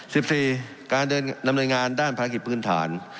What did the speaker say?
สิบสี่การเดินนำหน่วยงานด้านภารกิจพื้นฐาน